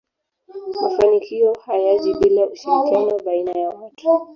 mafanikio hayaji bila ushirikiano baiana ya watu